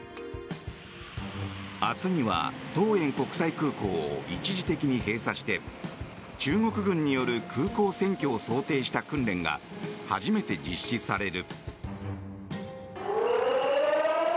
明日には桃園国際空港を一時的に閉鎖して中国軍による空港占拠を想定した訓練が初めて実施される。